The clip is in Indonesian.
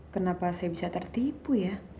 kenapa saya bisa tertipu